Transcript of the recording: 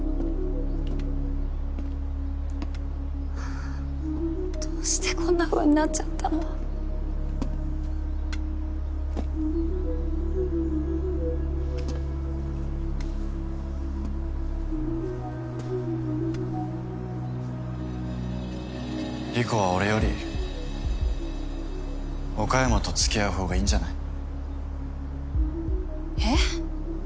はぁどうしてこんなふうになっちゃ莉子は俺より岡山とつきあうほうがいいんじゃない？えっ？